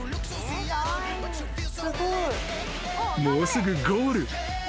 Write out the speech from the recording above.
［もうすぐゴール。